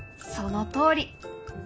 そのとおり！